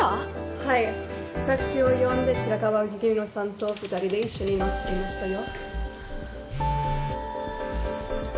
はいタクシーを呼んで白川雪乃さんと２人で一緒に乗っていきましたよ。